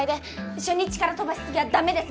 初日から飛ばしすぎはダメです